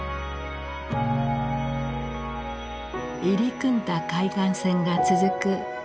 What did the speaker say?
入り組んだ海岸線が続く